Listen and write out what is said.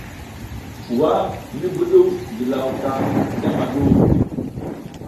Wa mi mbuɗuw ngilaw ka ngama ɗu ?